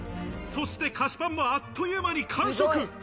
そして菓子パンもあっという間に完食。